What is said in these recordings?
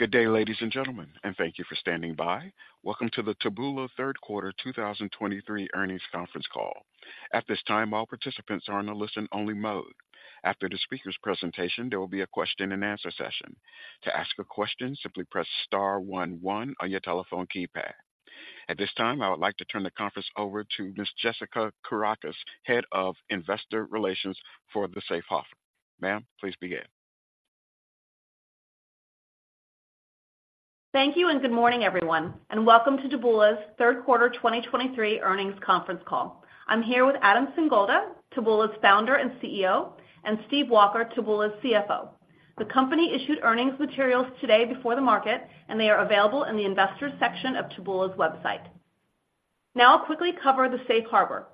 Good day, ladies and gentlemen, and thank you for standing by. Welcome to the Taboola Third Quarter 2023 Earnings Conference Call. At this time, all participants are in a listen-only mode. After the speaker's presentation, there will be a question-and-answer session. To ask a question, simply press star one one on your telephone keypad. At this time, I would like to turn the conference over to Miss Jessica Kourakos, Head of Investor Relations for the Safe Harbor. Ma'am, please begin. Thank you, and good morning, everyone, and welcome to Taboola's third quarter 2023 earnings conference call. I'm here with Adam Singolda, Taboola's founder and CEO, and Steve Walker, Taboola's CFO. The company issued earnings materials today before the market, and they are available in the investors section of Taboola's website. Now, I'll quickly cover the Safe Harbor.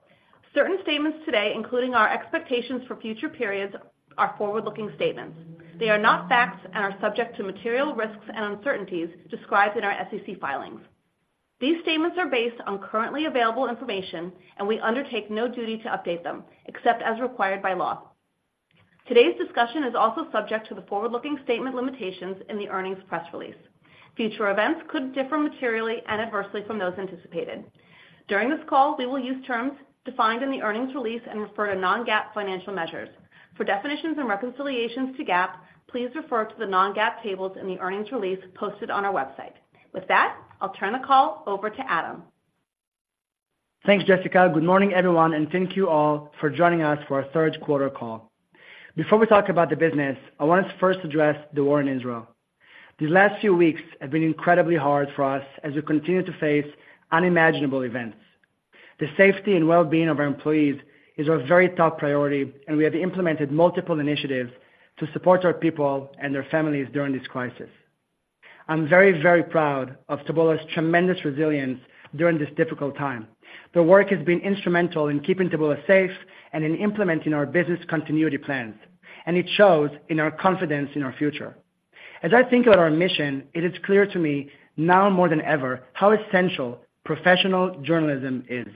Certain statements today, including our expectations for future periods, are forward-looking statements. They are not facts and are subject to material risks and uncertainties described in our SEC filings. These statements are based on currently available information, and we undertake no duty to update them, except as required by law. Today's discussion is also subject to the forward-looking statement limitations in the earnings press release. Future events could differ materially and adversely from those anticipated. During this call, we will use terms defined in the earnings release and refer to non-GAAP financial measures. For definitions and reconciliations to GAAP, please refer to the non-GAAP tables in the earnings release posted on our website. With that, I'll turn the call over to Adam. Thanks, Jessica. Good morning, everyone, and thank you all for joining us for our third quarter call. Before we talk about the business, I want to first address the war in Israel. These last few weeks have been incredibly hard for us as we continue to face unimaginable events. The safety and well-being of our employees is our very top priority, and we have implemented multiple initiatives to support our people and their families during this crisis. I'm very, very proud of Taboola's tremendous resilience during this difficult time. The work has been instrumental in keeping Taboola safe and in implementing our business continuity plans, and it shows in our confidence in our future. As I think about our mission, it is clear to me, now more than ever, how essential professional journalism is.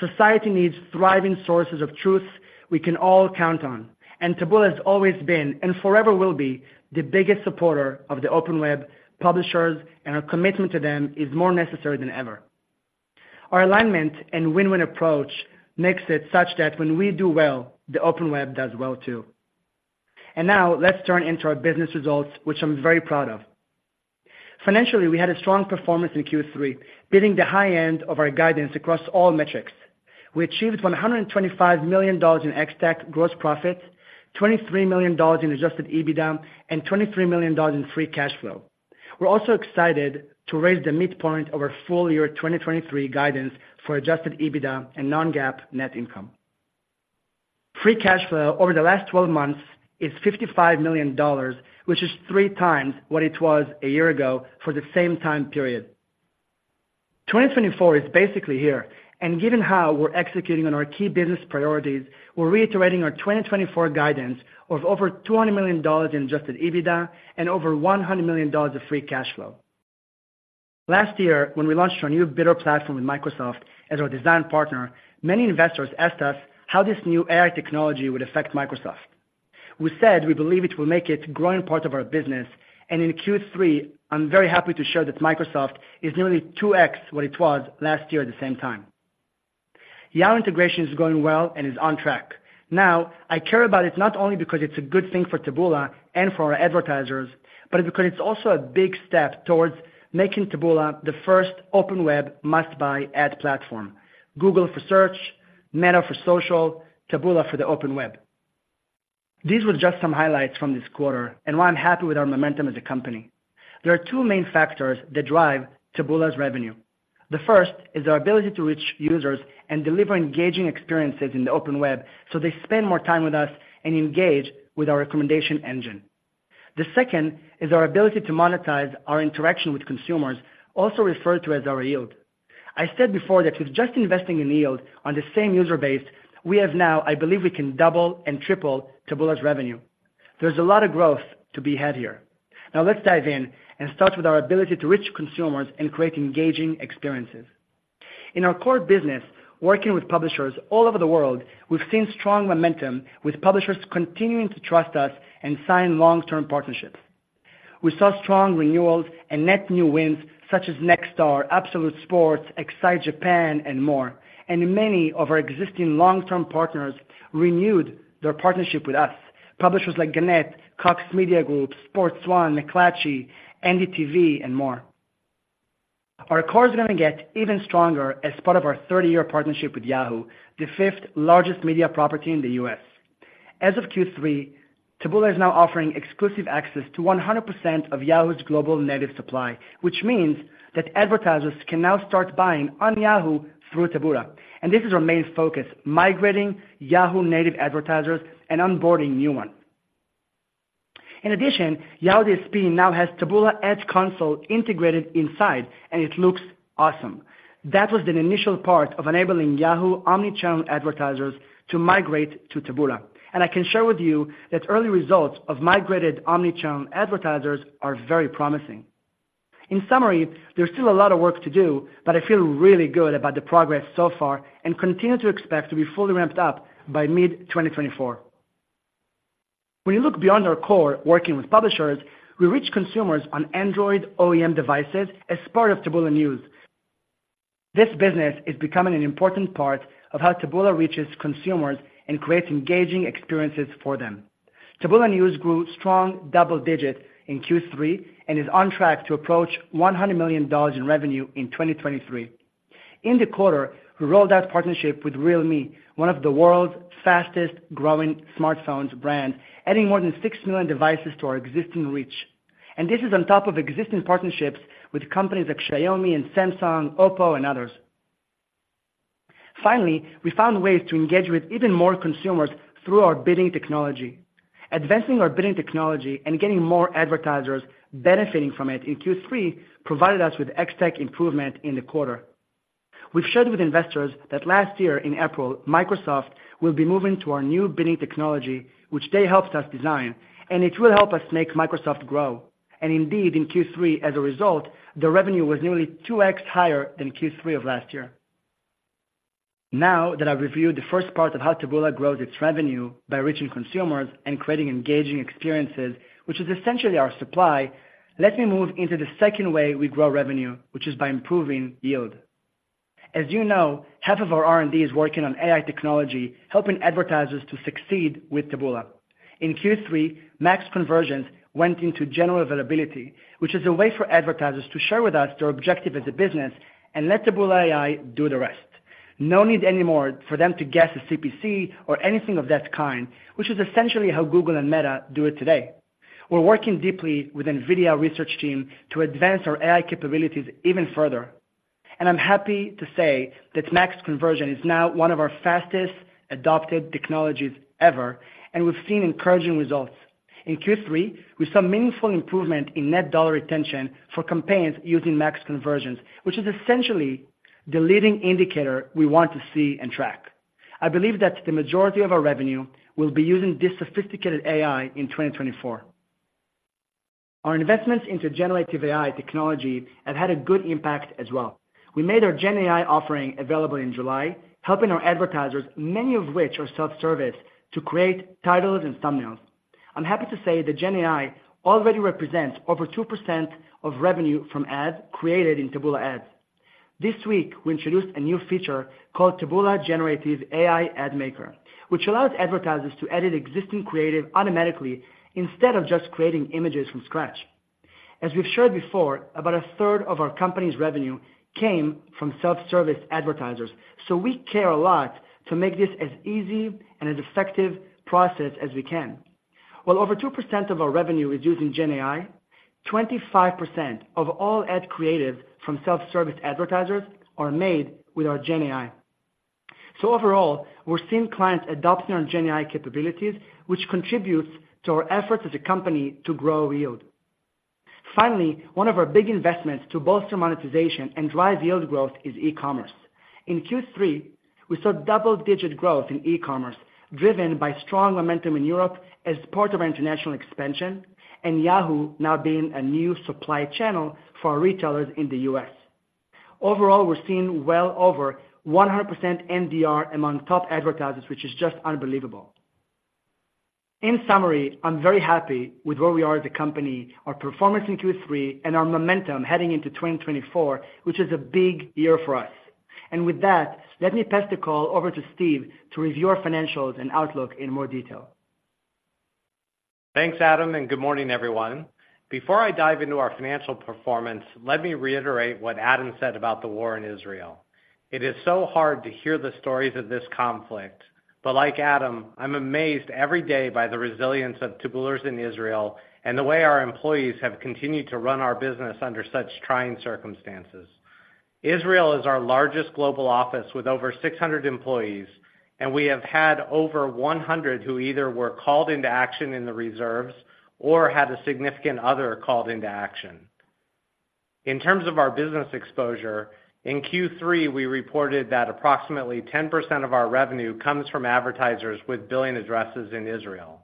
Society needs thriving sources of truth we can all count on, and Taboola has always been, and forever will be, the biggest supporter of the open web publishers, and our commitment to them is more necessary than ever. Our alignment and win-win approach makes it such that when we do well, the open web does well, too. And now, let's turn into our business results, which I'm very proud of. Financially, we had a strong performance in Q3, beating the high end of our guidance across all metrics. We achieved $125 million in Ex-TAC gross profit, $23 million in Adjusted EBITDA, and $23 million in free cash flow. We're also excited to raise the midpoint of our full year 2023 guidance for Adjusted EBITDA and non-GAAP net income. Free cash flow over the last 12 months is $55 million, which is 3x what it was a year ago for the same time period. 2024 is basically here, and given how we're executing on our key business priorities, we're reiterating our 2024 guidance of over $200 million in Adjusted EBITDA and over $100 million of free cash flow. Last year, when we launched our new bidder platform with Microsoft as our design partner, many investors asked us how this new AI technology would affect Microsoft. We said we believe it will make it growing part of our business, and in Q3, I'm very happy to share that Microsoft is nearly 2x what it was last year at the same time. Yahoo integration is going well and is on track. Now, I care about it not only because it's a good thing for Taboola and for our advertisers, but because it's also a big step towards making Taboola the first open web must-buy ad platform. Google for search, Meta for social, Taboola for the open web. These were just some highlights from this quarter and why I'm happy with our momentum as a company. There are two main factors that drive Taboola's revenue. The first is our ability to reach users and deliver engaging experiences in the open web, so they spend more time with us and engage with our recommendation engine. The second is our ability to monetize our interaction with consumers, also referred to as our yield. I said before that with just investing in yield on the same user base we have now, I believe we can double and triple Taboola's revenue. There's a lot of growth to be had here. Now, let's dive in and start with our ability to reach consumers and create engaging experiences. In our core business, working with publishers all over the world, we've seen strong momentum, with publishers continuing to trust us and sign long-term partnerships. We saw strong renewals and net new wins, such as Nexstar, Absolute Sports, Excite Japan, and more. Many of our existing long-term partners renewed their partnership with us. Publishers like Gannett, Cox Media Group, Sport1, McClatchy, NDTV, and more. Our core is gonna get even stronger as part of our 30-year partnership with Yahoo, the fifth largest media property in the U.S. As of Q3, Taboola is now offering exclusive access to 100% of Yahoo's global native supply, which means that advertisers can now start buying on Yahoo through Taboola, and this is our main focus: migrating Yahoo Native advertisers and onboarding new ones. In addition, Yahoo DSP now has Taboola Ads Console integrated inside, and it looks awesome. That was the initial part of enabling Yahoo omni-channel advertisers to migrate to Taboola. And I can share with you that early results of migrated omni-channel advertisers are very promising. In summary, there's still a lot of work to do, but I feel really good about the progress so far, and continue to expect to be fully ramped up by mid-2024. When you look beyond our core, working with publishers, we reach consumers on Android OEM devices as part of Taboola News. This business is becoming an important part of how Taboola reaches consumers and creates engaging experiences for them. Taboola News grew strong double digits in Q3, and is on track to approach $100 million in revenue in 2023. In the quarter, we rolled out partnership with Realme, one of the world's fastest growing smartphones brand, adding more than 6 million devices to our existing reach. This is on top of existing partnerships with companies like Xiaomi and Samsung, OPPO, and others. Finally, we found ways to engage with even more consumers through our bidding technology. Advancing our bidding technology and getting more advertisers benefiting from it in Q3, provided us with Ex-TAC improvement in the quarter. We've shared with investors that last year in April, Microsoft will be moving to our new bidding technology, which they helped us design, and it will help us make Microsoft grow. Indeed, in Q3, as a result, the revenue was nearly 2x higher than Q3 of last year. Now that I've reviewed the first part of how Taboola grows its revenue by reaching consumers and creating engaging experiences, which is essentially our supply, let me move into the second way we grow revenue, which is by improving yield. As you know, half of our R&D is working on AI technology, helping advertisers to succeed with Taboola. In Q3, Max Conversions went into general availability, which is a way for advertisers to share with us their objective as a business and let Taboola AI do the rest. No need anymore for them to guess a CPC or anything of that kind, which is essentially how Google and Meta do it today. We're working deeply with NVIDIA research team to advance our AI capabilities even further, and I'm happy to say that Max Conversions is now one of our fastest adopted technologies ever, and we've seen encouraging results. In Q3, we saw meaningful improvement in Net Dollar Retention for campaigns using Max Conversions, which is essentially the leading indicator we want to see and track. I believe that the majority of our revenue will be using this sophisticated AI in 2024. Our investments into generative AI technology have had a good impact as well. We made our Gen AI offering available in July, helping our advertisers, many of which are self-service, to create titles and thumbnails. I'm happy to say that Gen AI already represents over 2% of revenue from ads created in Taboola Ads. This week, we introduced a new feature called Taboola Generative AI Ad Maker, which allows advertisers to edit existing creative automatically instead of just creating images from scratch. As we've shared before, about a 1/3 of our company's revenue came from self-service advertisers, so we care a lot to make this as easy and as effective process as we can. While over 2% of our revenue is using Gen AI, 25% of all ad creatives from self-service advertisers are made with our Gen AI. So overall, we're seeing clients adopting our Gen AI capabilities, which contributes to our efforts as a company to grow yield. Finally, one of our big investments to bolster monetization and drive yield growth is e-commerce. In Q3, we saw double-digit growth in e-commerce, driven by strong momentum in Europe as part of our international expansion, and Yahoo now being a new supply channel for our retailers in the U.S.. Overall, we're seeing well over 100% NDR among top advertisers, which is just unbelievable. In summary, I'm very happy with where we are as a company, our performance in Q3, and our momentum heading into 2024, which is a big year for us. With that, let me pass the call over to Steve to review our financials and outlook in more detail. Thanks, Adam, and good morning, everyone. Before I dive into our financial performance, let me reiterate what Adam said about the war in Israel. It is so hard to hear the stories of this conflict, but like Adam, I'm amazed every day by the resilience of Taboola's in Israel and the way our employees have continued to run our business under such trying circumstances. Israel is our largest global office, with over 600 employees, and we have had over 100 who either were called into action in the reserves or had a significant other called into action. In terms of our business exposure, in Q3, we reported that approximately 10% of our revenue comes from advertisers with billing addresses in Israel.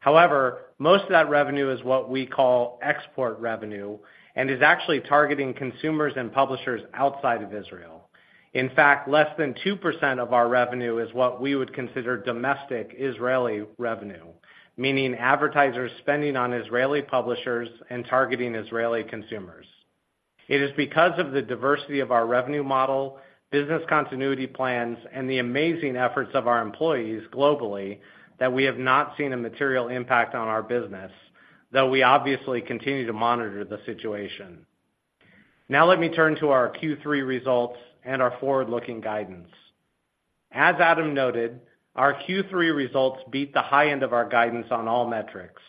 However, most of that revenue is what we call export revenue and is actually targeting consumers and publishers outside of Israel. In fact, less than 2% of our revenue is what we would consider domestic Israeli revenue, meaning advertisers spending on Israeli publishers and targeting Israeli consumers. It is because of the diversity of our revenue model, business continuity plans, and the amazing efforts of our employees globally, that we have not seen a material impact on our business, though we obviously continue to monitor the situation. Now let me turn to our Q3 results and our forward-looking guidance. As Adam noted, our Q3 results beat the high end of our guidance on all metrics.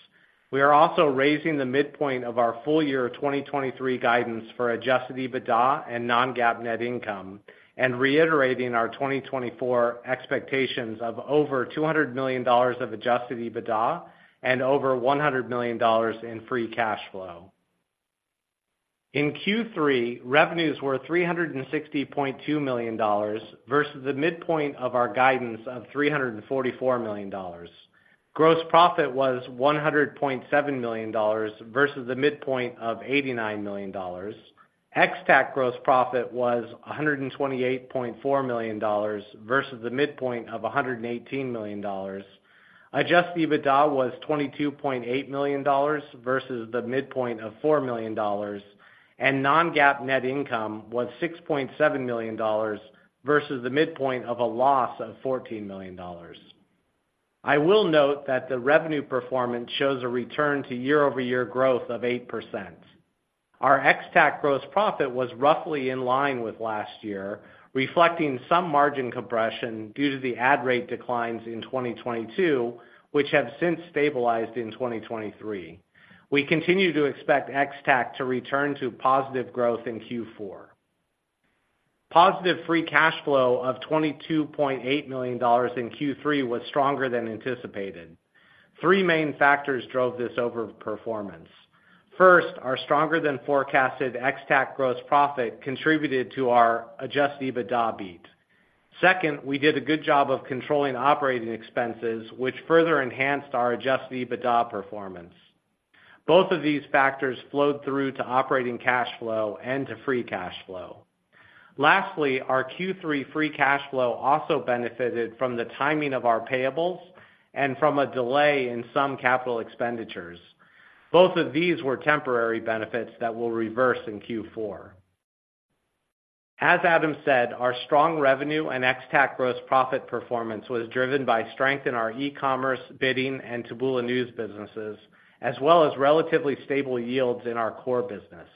We are also raising the midpoint of our full year 2023 guidance for Adjusted EBITDA and non-GAAP net income, and reiterating our 2024 expectations of over $200 million of Adjusted EBITDA and over $100 million in free cash flow. In Q3, revenues were $360.2 million, versus the midpoint of our guidance of $344 million. Gross profit was $100.7 million, versus the midpoint of $89 million. Ex-TAC gross profit was $128.4 million versus the midpoint of $118 million. Adjusted EBITDA was $22.8 million versus the midpoint of $4 million, and non-GAAP net income was $6.7 million versus the midpoint of a loss of $14 million. I will note that the revenue performance shows a return to year-over-year growth of 8%. Our Ex-TAC gross profit was roughly in line with last year, reflecting some margin compression due to the ad rate declines in 2022, which have since stabilized in 2023. We continue to expect XTAC to return to positive growth in Q4. Positive free cash flow of $22.8 million in Q3 was stronger than anticipated. Three main factors drove this overperformance. First, our stronger than forecasted XTAC gross profit contributed to our Adjusted EBITDA beat. Second, we did a good job of controlling operating expenses, which further enhanced our Adjusted EBITDA performance. Both of these factors flowed through to operating cash flow and to free cash flow. Lastly, our Q3 free cash flow also benefited from the timing of our payables and from a delay in some capital expenditures. Both of these were temporary benefits that will reverse in Q4. As Adam said, our strong revenue and XTAC gross profit performance was driven by strength in our e-commerce, bidding, and Taboola News businesses, as well as relatively stable yields in our core business.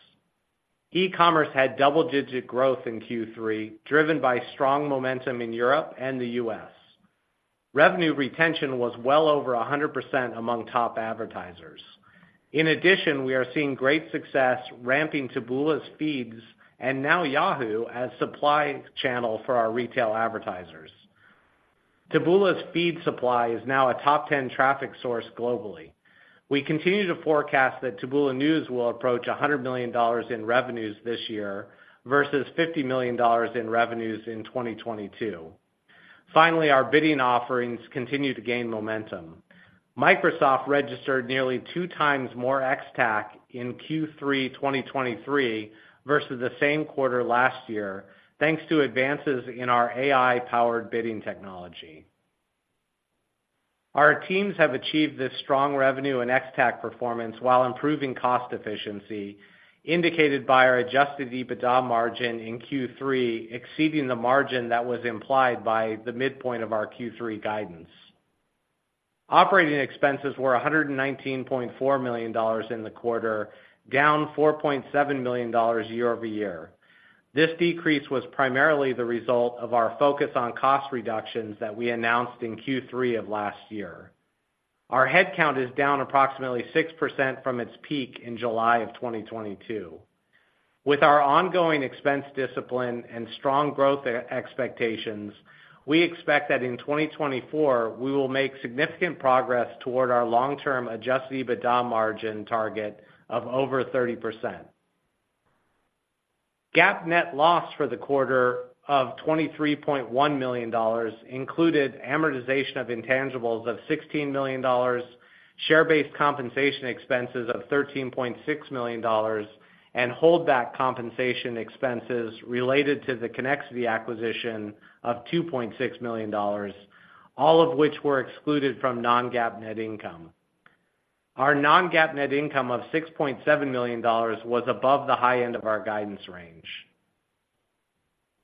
E-commerce had double-digit growth in Q3, driven by strong momentum in Europe and the U.S.. Revenue retention was well over 100% among top advertisers. In addition, we are seeing great success ramping Taboola Feeds and now Yahoo as supply channel for our retail advertisers. Taboola Feed supply is now a top 10 traffic source globally. We continue to forecast that Taboola News will approach $100 million in revenues this year versus $50 million in revenues in 2022. Finally, our bidding offerings continue to gain momentum. Microsoft registered nearly 2x more Ex-TAC in Q3 2023 versus the same quarter last year, thanks to advances in our AI-powered bidding technology. Our teams have achieved this strong revenue and Ex-TAC performance while improving cost efficiency, indicated by our adjusted EBITDA margin in Q3, exceeding the margin that was implied by the midpoint of our Q3 guidance. Operating expenses were $119.4 million in the quarter, down $4.7 million year-over-year. This decrease was primarily the result of our focus on cost reductions that we announced in Q3 of last year. Our headcount is down approximately 6% from its peak in July of 2022. With our ongoing expense discipline and strong growth expectations, we expect that in 2024, we will make significant progress toward our long-term Adjusted EBITDA margin target of over 30%. GAAP net loss for the quarter of $23.1 million included amortization of intangibles of $16 million, share-based compensation expenses of $13.6 million, and holdback compensation expenses related to the Connexity acquisition of $2.6 million, all of which were excluded from non-GAAP net income. Our non-GAAP net income of $6.7 million was above the high end of our guidance range.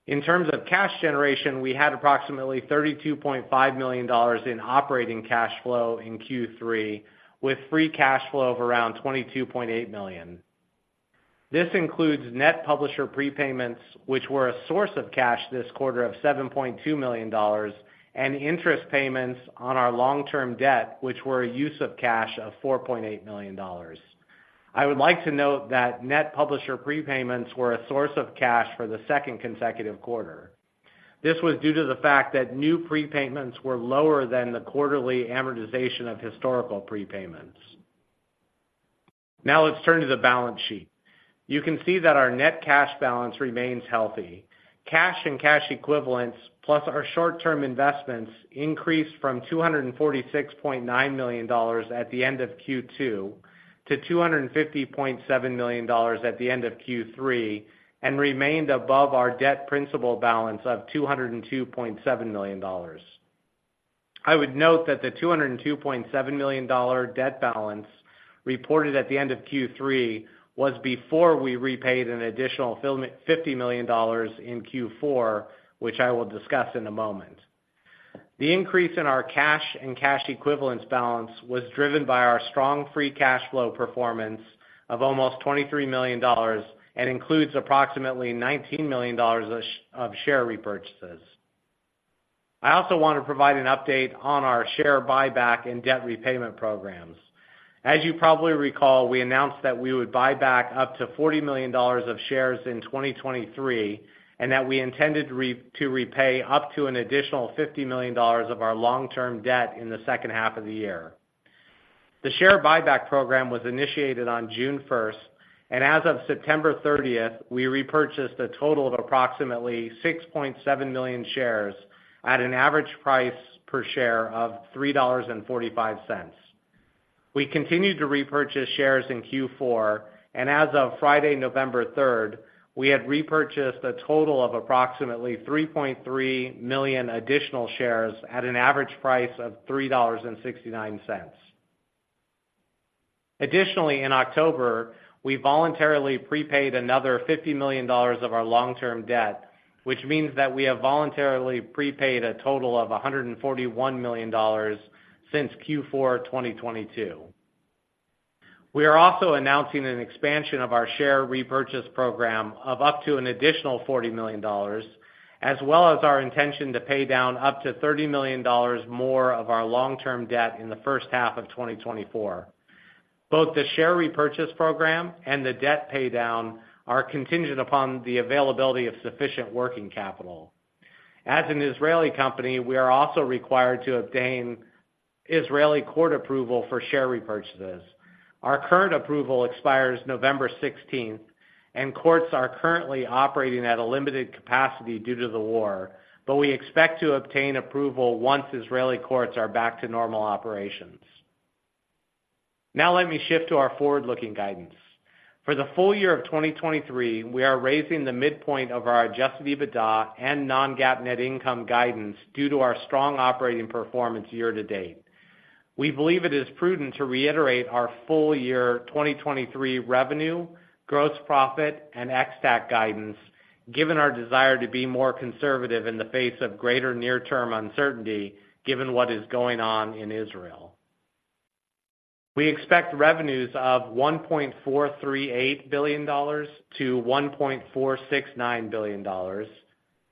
In terms of cash generation, we had approximately $32.5 million in operating cash flow in Q3, with free cash flow of around $22.8 million. This includes net publisher prepayments, which were a source of cash this quarter of $7.2 million, and interest payments on our long-term debt, which were a use of cash of $4.8 million. I would like to note that net publisher prepayments were a source of cash for the second consecutive quarter. This was due to the fact that new prepayments were lower than the quarterly amortization of historical prepayments. Now, let's turn to the balance sheet. You can see that our net cash balance remains healthy. Cash and cash equivalents, plus our short-term investments, increased from $246.9 million at the end of Q2 to $250.7 million at the end of Q3, and remained above our debt principal balance of $202.7 million. I would note that the $202.7 million debt balance reported at the end of Q3 was before we repaid an additional $50 million in Q4, which I will discuss in a moment. The increase in our cash and cash equivalents balance was driven by our strong free cash flow performance of almost $23 million and includes approximately $19 million of share repurchases. I also want to provide an update on our share buyback and debt repayment programs. As you probably recall, we announced that we would buy back up to $40 million of shares in 2023, and that we intended to repay up to an additional $50 million of our long-term debt in the second half of the year. The share buyback program was initiated on June 1st, and as of September 30th, we repurchased a total of approximately 6.7 million shares at an average price per share of $3.45. We continued to repurchase shares in Q4, and as of Friday, November 3rd, we had repurchased a total of approximately 3.3 million additional shares at an average price of $3.69. Additionally, in October, we voluntarily prepaid another $50 million of our long-term debt, which means that we have voluntarily prepaid a total of $141 million since Q4 2022. We are also announcing an expansion of our share repurchase program of up to an additional $40 million, as well as our intention to pay down up to $30 million more of our long-term debt in the first half of 2024. Both the share repurchase program and the debt paydown are contingent upon the availability of sufficient working capital. As an Israeli company, we are also required to obtain Israeli court approval for share repurchases. Our current approval expires November 16th, and courts are currently operating at a limited capacity due to the war, but we expect to obtain approval once Israeli courts are back to normal operations. Now let me shift to our forward-looking guidance. For the full year of 2023, we are raising the midpoint of our Adjusted EBITDA and non-GAAP net income guidance due to our strong operating performance year to date. We believe it is prudent to reiterate our full year 2023 revenue, gross profit, and Ex-TAC guidance, given our desire to be more conservative in the face of greater near-term uncertainty, given what is going on in Israel. We expect revenues of $1.438 billion-$1.469 billion,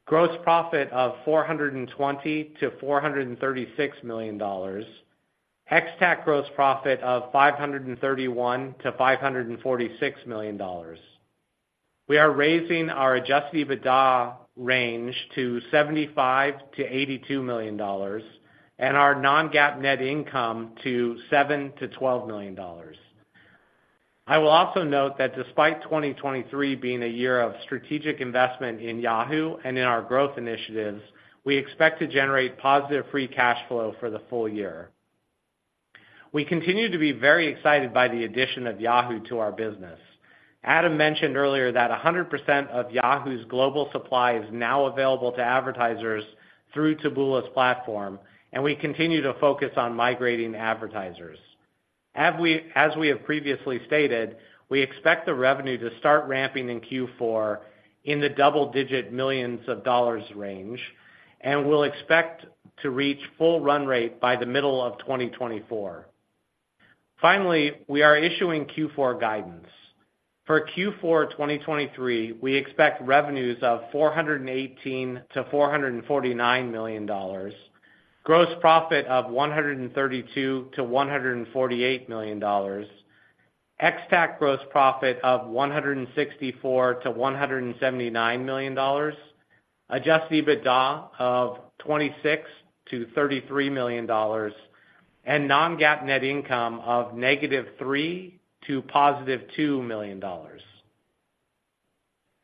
gross profit of $420 million-$436 million, Ex-TAC gross profit of $531 million-$546 million. We are raising our Adjusted EBITDA range to $75 million-$82 million and our non-GAAP net income to $7 million-$12 million. I will also note that despite 2023 being a year of strategic investment in Yahoo and in our growth initiatives, we expect to generate positive free cash flow for the full year. We continue to be very excited by the addition of Yahoo to our business. Adam mentioned earlier that 100% of Yahoo's global supply is now available to advertisers through Taboola's platform, and we continue to focus on migrating advertisers. As we, as we have previously stated, we expect the revenue to start ramping in Q4 in the $10 million-$99 million range, and we'll expect to reach full run rate by the middle of 2024. Finally, we are issuing Q4 guidance. For Q4 2023, we expect revenues of $418 million-$449 million, gross profit of $132 million-$148 million, Ex-TAC gross profit of $164 million-$179 million, adjusted EBITDA of $26 million-$33 million, and non-GAAP net income of -$3 million to $2 million.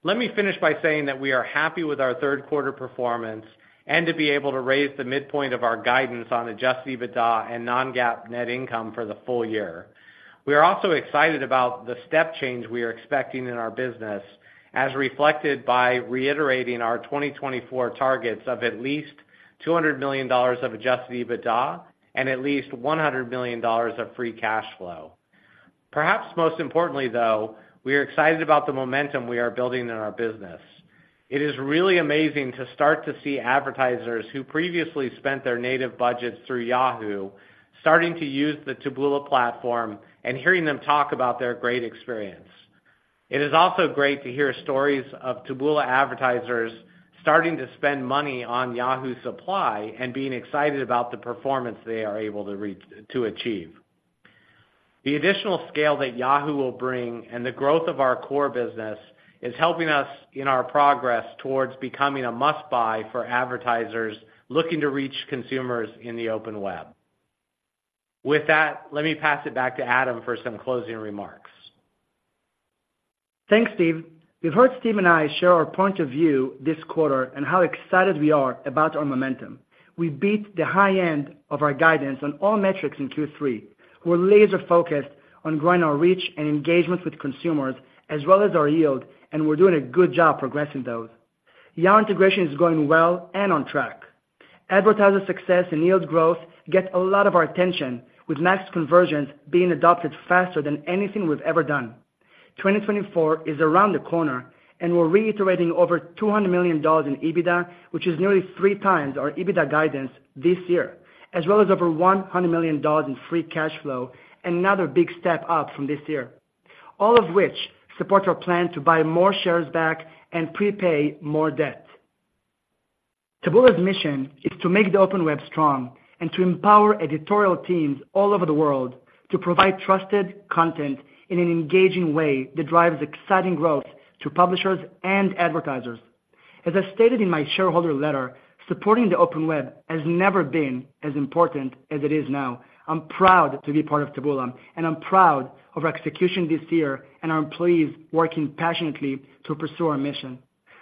Let me finish by saying that we are happy with our third quarter performance and to be able to raise the midpoint of our guidance on adjusted EBITDA and non-GAAP net income for the full year. We are also excited about the step change we are expecting in our business, as reflected by reiterating our 2024 targets of at least $200 million of adjusted EBITDA and at least $100 million of free cash flow. Perhaps most importantly, though, we are excited about the momentum we are building in our business. It is really amazing to start to see advertisers who previously spent their native budgets through Yahoo starting to use the Taboola platform and hearing them talk about their great experience. It is also great to hear stories of Taboola advertisers starting to spend money on Yahoo Supply and being excited about the performance they are able to achieve. The additional scale that Yahoo will bring and the growth of our core business is helping us in our progress towards becoming a must-buy for advertisers looking to reach consumers in the open web. With that, let me pass it back to Adam for some closing remarks. Thanks, Steve. You've heard Steve and I share our point of view this quarter and how excited we are about our momentum. We beat the high end of our guidance on all metrics in Q3. We're laser-focused on growing our reach and engagement with consumers, as well as our yield, and we're doing a good job progressing those. Our integration is going well and on track. Advertiser success and yield growth get a lot of our attention, with Max Conversions being adopted faster than anything we've ever done. 2024 is around the corner, and we're reiterating over $200 million in EBITDA, which is nearly 3x our EBITDA guidance this year, as well as over $100 million in free cash flow, another big step up from this year, all of which support our plan to buy more shares back and prepay more debt. Taboola's mission is to make the open web strong and to empower editorial teams all over the world to provide trusted content in an engaging way that drives exciting growth to publishers and advertisers. As I stated in my shareholder letter, supporting the open web has never been as important as it is now. I'm proud to be part of Taboola, and I'm proud of our execution this year and our employees working passionately to pursue our mission....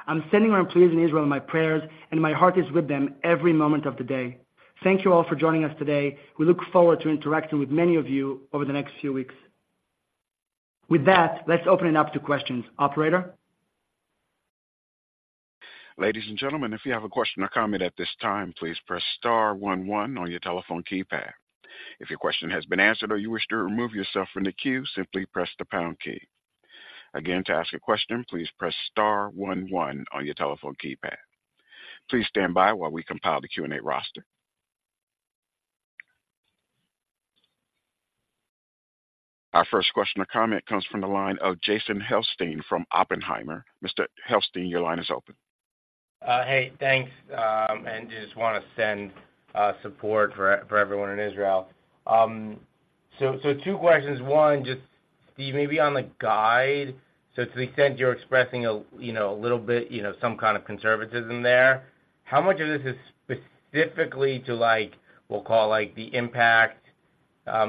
I'm sending our employees in Israel my prayers, and my heart is with them every moment of the day. Thank you all for joining us today. We look forward to interacting with many of you over the next few weeks. With that, let's open it up to questions. Operator? Ladies and gentlemen, if you have a question or comment at this time, please press star one one on your telephone keypad. If your question has been answered or you wish to remove yourself from the queue, simply press the pound key. Again, to ask a question, please press star one one on your telephone keypad. Please stand by while we compile the Q and A roster. Our first question or comment comes from the line of Jason Helfstein from Oppenheimer. Mr. Helfstein, your line is open. Hey, thanks. And just wanna send support for everyone in Israel. So, two questions. One, just Steve, maybe on the guide. So to the extent you're expressing a, you know, a little bit, you know, some kind of conservatism there, how much of this is specifically to like, we'll call like, the impact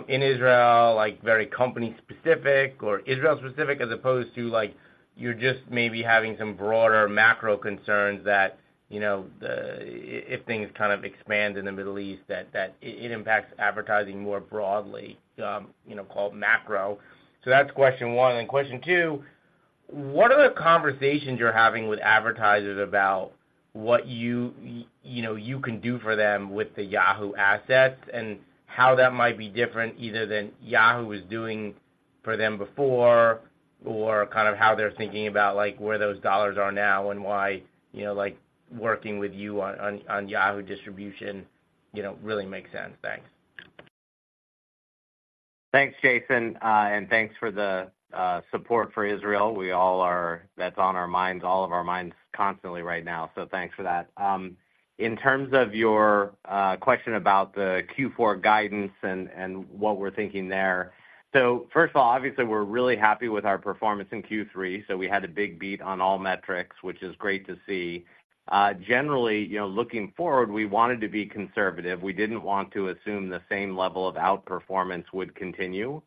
in Israel, like, very company specific or Israel specific, as opposed to like, you're just maybe having some broader macro concerns that, you know, if things kind of expand in the Middle East, that it impacts advertising more broadly, you know, called macro. So that's question one. Question two: What are the conversations you're having with advertisers about what you, you know, you can do for them with the Yahoo assets, and how that might be different either than Yahoo was doing for them before, or kind of how they're thinking about, like, where those dollars are now, and why, you know, like, working with you on Yahoo distribution, you know, really makes sense? Thanks. Thanks, Jason. And thanks for the support for Israel. We all are... That's on our minds, all of our minds constantly right now. So thanks for that. In terms of your question about the Q4 guidance and what we're thinking there. So first of all, obviously, we're really happy with our performance in Q3, so we had a big beat on all metrics, which is great to see. Generally, you know, looking forward, we wanted to be conservative. We didn't want to assume the same level of outperformance would continue.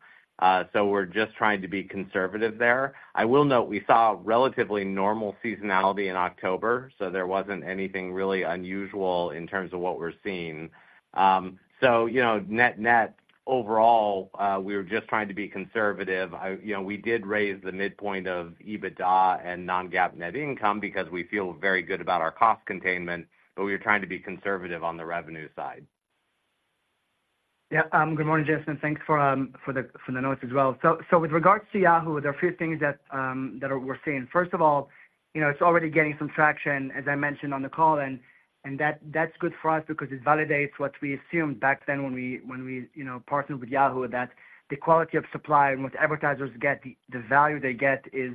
So we're just trying to be conservative there. I will note, we saw relatively normal seasonality in October, so there wasn't anything really unusual in terms of what we're seeing. So you know, net-net, overall, we're just trying to be conservative. you know, we did raise the midpoint of EBITDA and non-GAAP net income because we feel very good about our cost containment, but we're trying to be conservative on the revenue side. Yeah. Good morning, Jason, thanks for the notes as well. So, with regards to Yahoo, there are a few things that we're seeing. First of all, you know, it's already getting some traction, as I mentioned on the call, and that, that's good for us because it validates what we assumed back then when we, you know, partnered with Yahoo, that the quality of supply and what advertisers get, the value they get is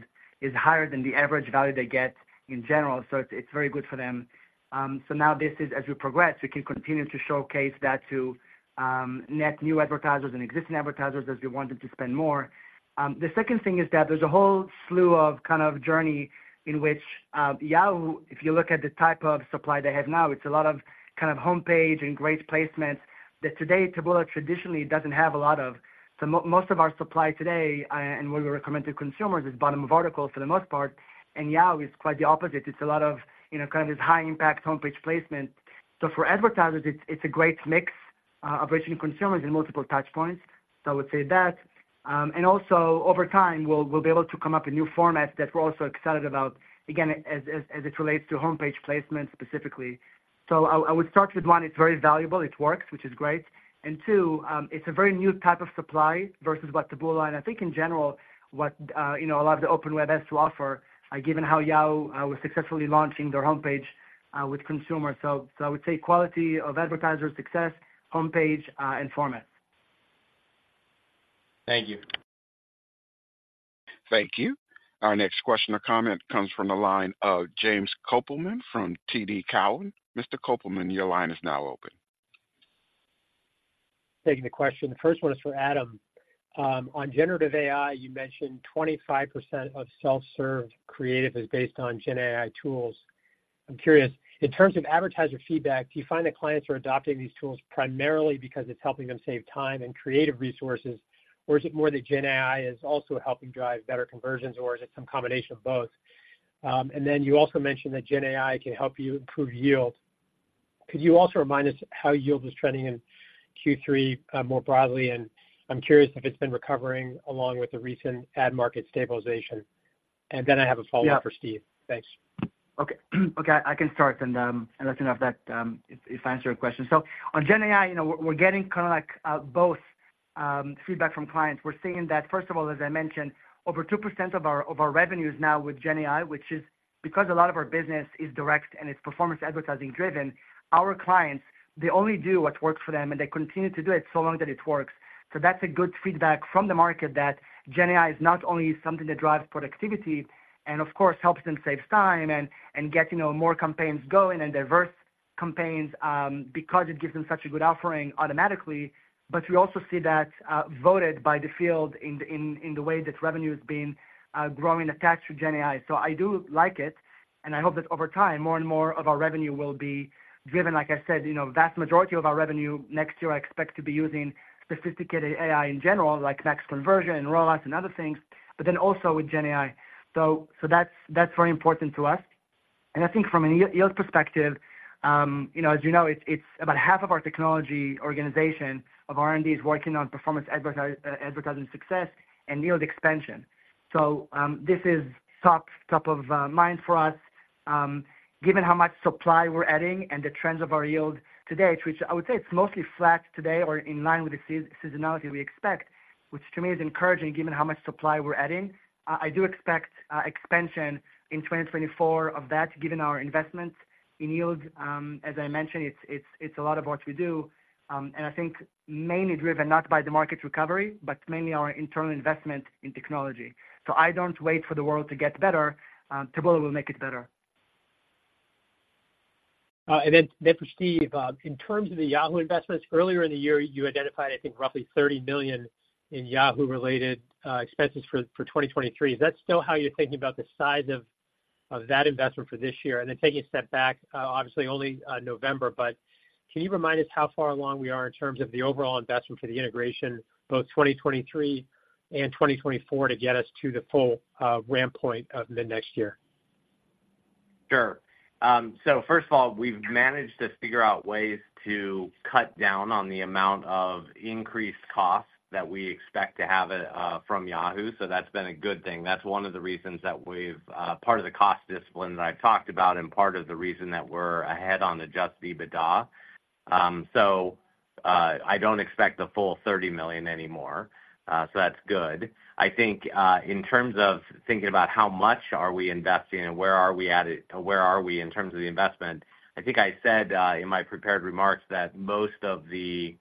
higher than the average value they get in general. So it's very good for them. So now this is as we progress, we can continue to showcase that to net new advertisers and existing advertisers as we want them to spend more. The second thing is that there's a whole slew of, kind of, journey in which, Yahoo, if you look at the type of supply they have now, it's a lot of kind of homepage and great placements that today Taboola traditionally doesn't have a lot of. So most of our supply today, and what we recommend to consumers is bottom of articles for the most part, and Yahoo is quite the opposite. It's a lot of, you know, kind of this high impact homepage placement. So for advertisers, it's, it's a great mix, of reaching consumers in multiple touch points. So I would say that. And also, over time, we'll, we'll be able to come up with new formats that we're also excited about, again, as, as, as it relates to homepage placement specifically. I would start with, one, it's very valuable, it works, which is great. And two, it's a very new type of supply versus what Taboola and I think in general, what, you know, a lot of the open web has to offer, given how Yahoo was successfully launching their homepage with consumers. So I would say quality of advertiser success, homepage, and format. Thank you. Thank you. Our next question or comment comes from the line of James Kopelman from TD Cowen. Mr. Kopelman, your line is now open. Taking the question. The first one is for Adam. On generative AI, you mentioned 25% of self-serve creative is based on Gen AI tools. I'm curious, in terms of advertiser feedback, do you find that clients are adopting these tools primarily because it's helping them save time and creative resources? Or is it more that Gen AI is also helping drive better conversions, or is it some combination of both? And then you also mentioned that Gen AI can help you improve yield. Could you also remind us how yield is trending in Q3, more broadly? And I'm curious if it's been recovering along with the recent ad market stabilization. And then I have a follow-up for Steve. Thanks. Okay. Okay, I can start then, and let you know if that, if I answer your question. So on Gen AI, you know, we're, we're getting kind of like, both, feedback from clients. We're seeing that, first of all, as I mentioned, over 2% of our, of our revenue is now with Gen AI, which is because a lot of our business is direct and it's performance advertising driven, our clients, they only do what works for them, and they continue to do it so long that it works. So that's a good feedback from the market that Gen AI is not only something that drives productivity and, of course, helps them save time and, and get, you know, more campaigns going and diverse campaigns, because it gives them such a good offering automatically. But we also see that, voted by the field in the way that revenue is being growing attached to gen AI. So I do like it, and I hope that over time, more and more of our revenue will be driven. Like I said, you know, vast majority of our revenue next year, I expect to be using sophisticated AI in general, like max conversion and ROAS and other things, but then also with gen AI. So that's very important to us. And I think from a yield perspective, you know, as you know, it's about half of our technology organization of R&D is working on performance advertising success and yield expansion. So, this is top, top of mind for us, given how much supply we're adding and the trends of our yield today, which I would say it's mostly flat today or in line with the seasonality we expect, which to me is encouraging given how much supply we're adding. I do expect expansion in 2024 of that, given our investment in yield. As I mentioned, it's a lot of what we do, and I think mainly driven not by the market's recovery, but mainly our internal investment in technology. So I don't wait for the world to get better, Taboola will make it better. And then for Steve, in terms of the Yahoo investments, earlier in the year, you identified, I think, roughly $30 million in Yahoo-related expenses for 2023. Is that still how you're thinking about the size of that investment for this year? And then taking a step back, obviously only November, but can you remind us how far along we are in terms of the overall investment for the integration, both 2023 and 2024, to get us to the full ramp point of mid-next year? Sure. So first of all, we've managed to figure out ways to cut down on the amount of increased costs that we expect to have from Yahoo. So that's been a good thing. That's one of the reasons that we've part of the cost discipline that I've talked about and part of the reason that we're ahead on Adjusted EBITDA. So I don't expect the full $30 million anymore. So that's good. I think in terms of thinking about how much are we investing and where are we in terms of the investment, I think I said in my prepared remarks that most of the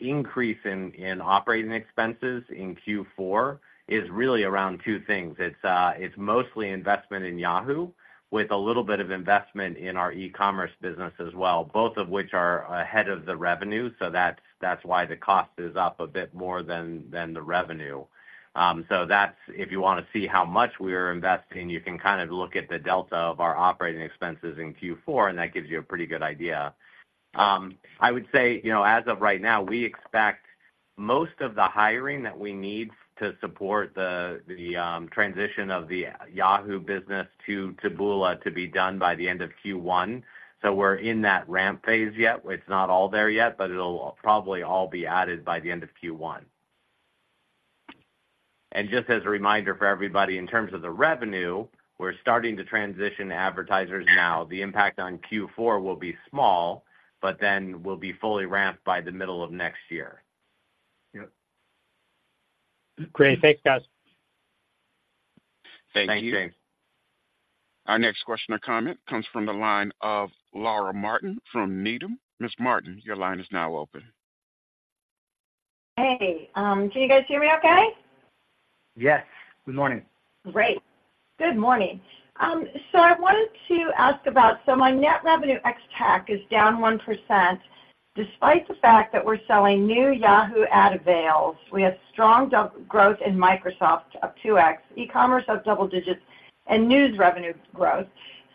increase in operating expenses in Q4 is really around two things: It's it's mostly investment in Yahoo with a little bit of investment in our e-commerce business as well, both of which are ahead of the revenue, so that's why the cost is up a bit more than the revenue. So that's, if you wanna see how much we are investing, you can kind of look at the delta of our operating expenses in Q4, and that gives you a pretty good idea. I would say, you know, as of right now, we expect most of the hiring that we need to support the transition of the Yahoo business to Taboola to be done by the end of Q1. So we're in that ramp phase yet. It's not all there yet, but it'll probably all be added by the end of Q1. And just as a reminder for everybody, in terms of the revenue, we're starting to transition advertisers now. The impact on Q4 will be small, but then we'll be fully ramped by the middle of next year. Yep. Great. Thanks, guys. Thank you. Thank you. Our next question or comment comes from the line of Laura Martin from Needham. Ms. Martin, your line is now open. Hey, can you guys hear me okay? Yes. Good morning. Great. Good morning. So I wanted to ask about, so my net revenue Ex-TAC is down 1%, despite the fact that we're selling new Yahoo ad avails. We have strong growth in Microsoft of 2x, e-commerce up double digits and news revenue growth.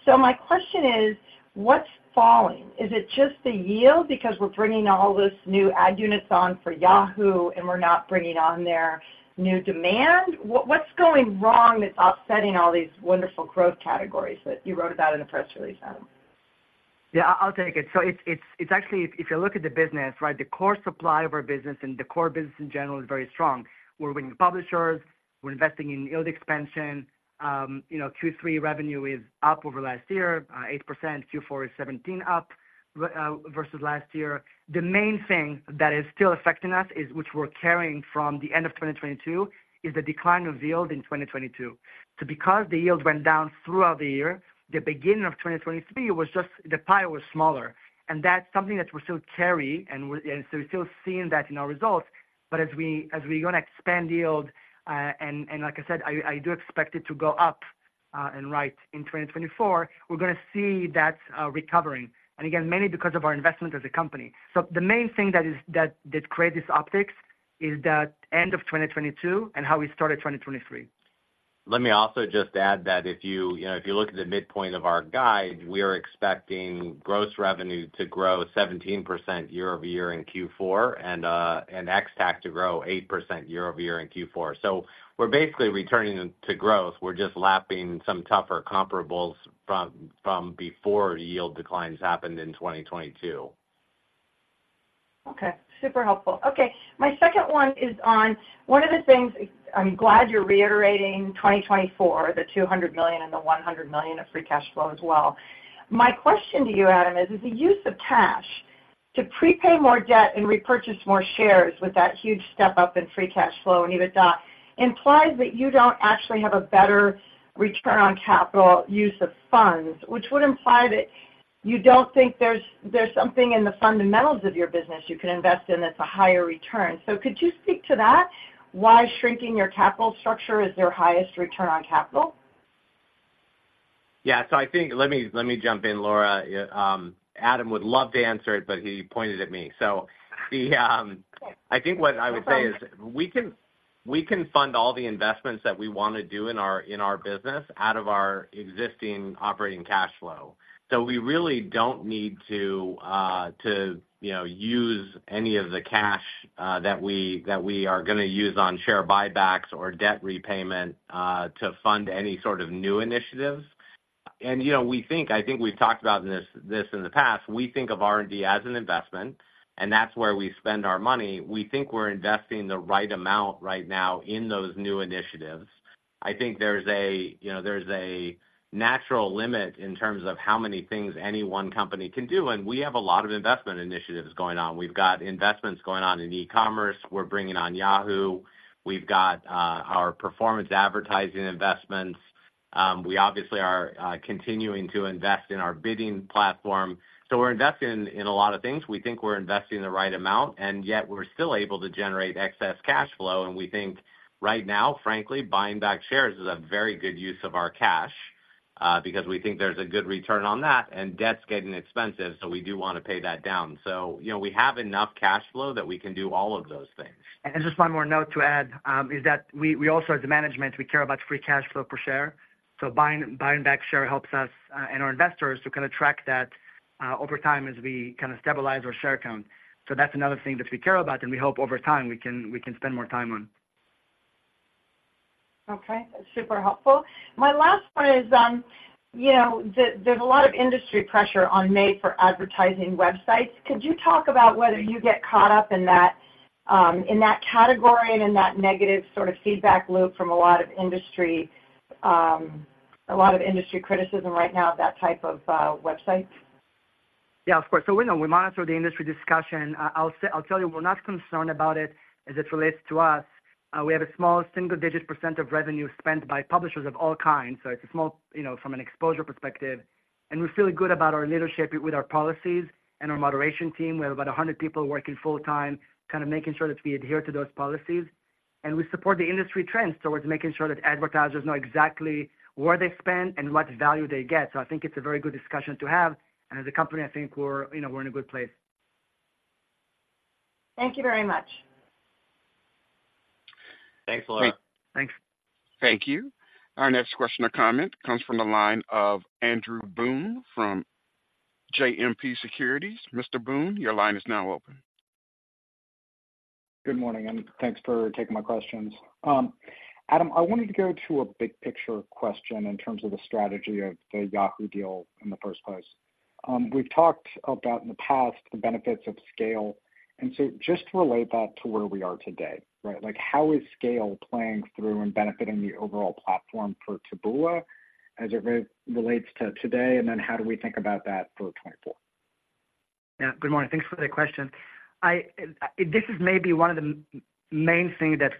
So my question is: What's falling? Is it just the yield because we're bringing all this new ad units on for Yahoo, and we're not bringing on their new demand? What, what's going wrong that's offsetting all these wonderful growth categories that you wrote about in the press release, Adam? Yeah, I'll take it. So it's actually, if you look at the business, right, the core supply of our business and the core business in general is very strong. We're winning publishers, we're investing in yield expansion. You know, Q3 revenue is up over last year 8%. Q4 is 17% up versus last year. The main thing that is still affecting us is, which we're carrying from the end of 2022, is the decline of yield in 2022. So because the yield went down throughout the year, the beginning of 2023, it was just the pie was smaller. And that's something that we still carry, and so we're still seeing that in our results. But as we're gonna expand yield, and like I said, I do expect it to go up, and right in 2024, we're gonna see that recovering, and again, mainly because of our investment as a company. So the main thing that creates this optics is the end of 2022 and how we started 2023. Let me also just add that if you, you know, if you look at the midpoint of our guide, we are expecting gross revenue to grow 17% year-over-year in Q4 and Ex-TAC to grow 8% year-over-year in Q4. So we're basically returning to growth. We're just lapping some tougher comparables from before yield declines happened in 2022. Okay. Super helpful. Okay, my second one is on... One of the things—I'm glad you're reiterating 2024, the $200 million and the $100 million of free cash flow as well. My question to you, Adam, is, is the use of cash to prepay more debt and repurchase more shares with that huge step up in free cash flow and EBITDA, implies that you don't actually have a better return on capital use of funds, which would imply that you don't think there's, there's something in the fundamentals of your business you can invest in that's a higher return. So could you speak to that, why shrinking your capital structure is your highest return on capital? Yeah. So I think... Let me, let me jump in, Laura. Adam would love to answer it, but he pointed at me. So the, I think what I would say is, we can, we can fund all the investments that we wanna do in our, in our business out of our existing operating cash flow. So we really don't need to, to, you know, use any of the cash, that we, that we are gonna use on share buybacks or debt repayment, to fund any sort of new initiatives. And, you know, we think, I think we've talked about this, this in the past. We think of R&D as an investment, and that's where we spend our money. We think we're investing the right amount right now in those new initiatives. I think there's, you know, a natural limit in terms of how many things any one company can do, and we have a lot of investment initiatives going on. We've got investments going on in e-commerce. We're bringing on Yahoo. We've got our performance advertising investments. We obviously are continuing to invest in our bidding platform. We're investing in a lot of things. We think we're investing the right amount, and yet we're still able to generate excess cash flow. We think right now, frankly, buying back shares is a very good use of our cash because we think there's a good return on that, and debt's getting expensive, so we do want to pay that down. You know, we have enough cash flow that we can do all of those things. Just one more note to add, is that we also, as a management, we care about Free Cash Flow per share. So buying back share helps us and our investors to kind of track that over time as we kind of stabilize our share count. So that's another thing that we care about, and we hope over time, we can spend more time on. Okay, super helpful. My last one is, you know, there's a lot of industry pressure on made-for-advertising websites. Could you talk about whether you get caught up in that, in that category and in that negative sort of feedback loop from a lot of industry, a lot of industry criticism right now of that type of websites? Yeah, of course. So we know, we monitor the industry discussion. I'll tell you, we're not concerned about it as it relates to us. We have a small single-digit % of revenue spent by publishers of all kinds, so it's a small, you know, from an exposure perspective, and we feel good about our leadership with our policies and our moderation team. We have about 100 people working full-time, kind of making sure that we adhere to those policies. We support the industry trends towards making sure that advertisers know exactly where they spend and what value they get. So I think it's a very good discussion to have, and as a company, I think we're, you know, we're in a good place. Thank you very much. Thanks, Laura. Thanks. Thank you. Our next question or comment comes from the line of Andrew Boone from JMP Securities. Mr. Boone, your line is now open. Good morning, and thanks for taking my questions. Adam, I wanted to go to a big picture question in terms of the strategy of the Yahoo deal in the first place. We've talked about in the past, the benefits of scale, and so just relate that to where we are today, right? Like, how is scale playing through and benefiting the overall platform for Taboola as it relates to today, and then how do we think about that for 2024? Yeah. Good morning. Thanks for the question. I, this is maybe one of the main thing that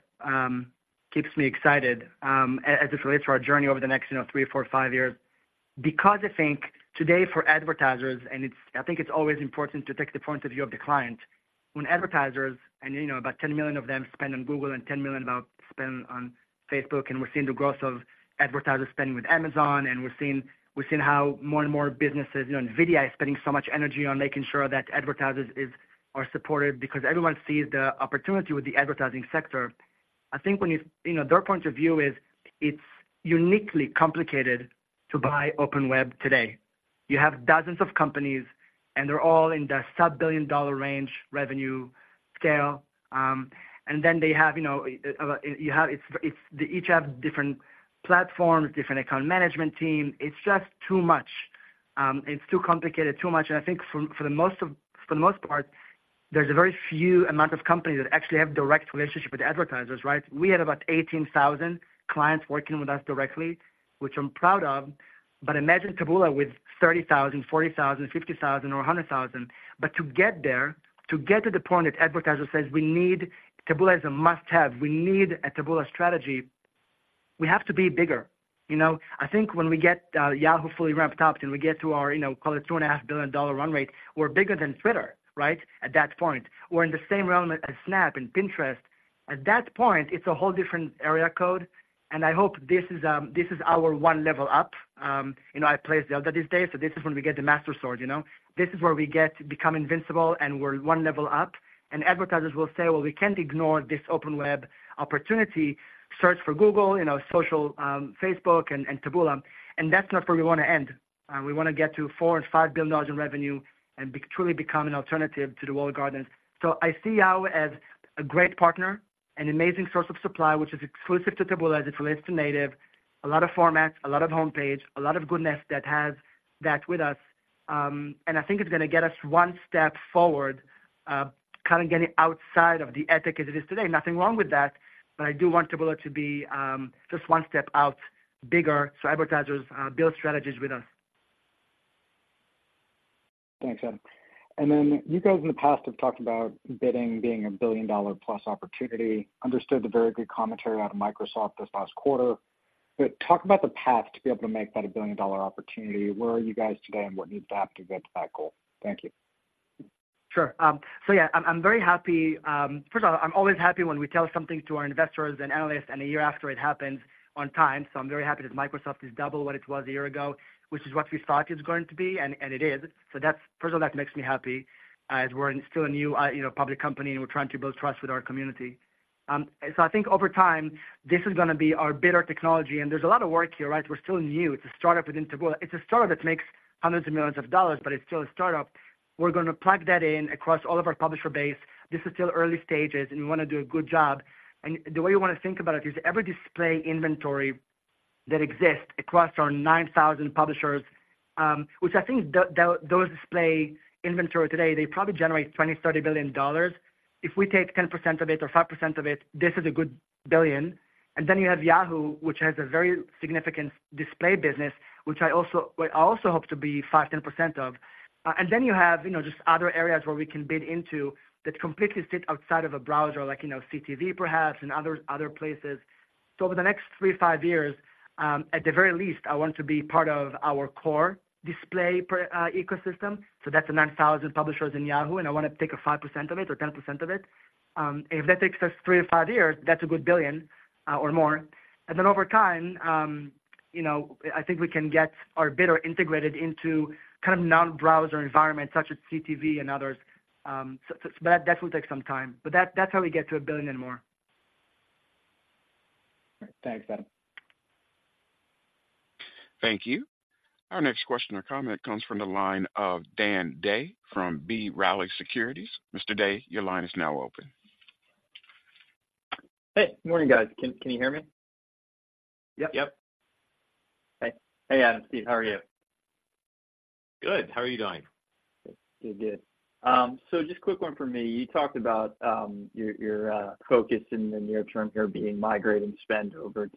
keeps me excited, as it relates to our journey over the next, you know, three, four, five years. Because I think today for advertisers, and it's- I think it's always important to take the point of view of the client. When advertisers, and you know, about 10 million of them spend on Google and 10 million about spend on Facebook, and we're seeing the growth of advertiser spending with Amazon, and we're seeing, we're seeing how more and more businesses, you know, NVIDIA is spending so much energy on making sure that advertisers is, are supported because everyone sees the opportunity with the advertising sector. I think when you... You know, their point of view is it's uniquely complicated to buy open web today. You have dozens of companies, and they're all in the sub-billion dollar range, revenue scale. And then they have, you know, they each have different platforms, different account management team. It's just too much. It's too complicated, too much. And I think for the most part, there's a very few amount of companies that actually have direct relationship with advertisers, right? We had about 18,000 clients working with us directly, which I'm proud of. But imagine Taboola with 30,000, 40,000, 50,000 or 100,000. But to get there, to get to the point that advertiser says, "We need Taboola as a must-have. We need a Taboola strategy," we have to be bigger. You know, I think when we get Yahoo fully ramped up and we get to our, you know, call it $2.5 billion run rate, we're bigger than Twitter, right, at that point. We're in the same realm as Snap and Pinterest. At that point, it's a whole different area code, and I hope this is this is our one level up. You know, I played Zelda these days, so this is when we get the master sword, you know? This is where we get to become invincible and we're one level up, and advertisers will say, "Well, we can't ignore this open web opportunity, search for Google, you know, social, Facebook and, and Taboola." And that's not where we want to end. We wanna get to $4 billion-$5 billion in revenue and truly become an alternative to the walled gardens. So I see Yahoo as a great partner, an amazing source of supply, which is exclusive to Taboola as it relates to native. A lot of formats, a lot of homepage, a lot of goodness that has that with us. And I think it's gonna get us one step forward, kind of getting outside of the ecosystem as it is today. Nothing wrong with that, but I do want Taboola to be just one step out, bigger, so advertisers build strategies with us. Thanks, Adam. And then you guys in the past have talked about bidding being a billion-dollar plus opportunity. Understood the very good commentary out of Microsoft this last quarter. But talk about the path to be able to make that a billion-dollar opportunity. Where are you guys today and what needs to happen to get to that goal? Thank you. Sure. So yeah, I'm very happy. First of all, I'm always happy when we tell something to our investors and analysts, and a year after, it happens on time. So I'm very happy that Microsoft is double what it was a year ago, which is what we thought it's going to be, and it is. So that's, first of all, that makes me happy, as we're still a new, you know, public company, and we're trying to build trust with our community. So I think over time, this is gonna be our bidder technology, and there's a lot of work here, right? We're still new. It's a startup within Taboola. It's a startup that makes $hundreds of millions, but it's still a startup. We're gonna plug that in across all of our publisher base. This is still early stages, and we wanna do a good job. The way you wanna think about it is, every display inventory that exist across our 9,000 publishers, which I think those display inventory today, they probably generate $20-$30 billion. If we take 10% of it or 5% of it, this is a good $1 billion. Then you have Yahoo, which has a very significant display business, which I also hope to be 5%-10% of. And then you have, you know, just other areas where we can bid into that completely sit outside of a browser, like, you know, CTV perhaps, and other places. So over the next three to five years, at the very least, I want to be part of our core display per ecosystem. So that's the 9,000 publishers in Yahoo, and I wanna take a 5% of it or 10% of it. If that takes us three to five years, that's a good $1 billion, or more. And then over time, you know, I think we can get our bidder integrated into kind of non-browser environments such as CTV and others. But that will take some time, but that, that's how we get to a $1 billion and more. Great. Thanks, Adam. Thank you. Our next question or comment comes from the line of Dan Day from B. Riley Securities. Mr. Day, your line is now open. Hey, good morning, guys. Can you hear me? Yep. Yep. Hey. Hey, Adam, Steve, how are you? Good. How are you doing? Good, good. So just a quick one for me. You talked about, your, your, focus in the near term here being migrating spend over